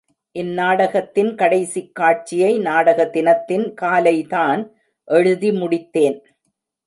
இந்நாடகத்தின் கடைசிக் காட்சியை நாடக தினத்தின் காலைதான் எழுதி முடித்தேன்.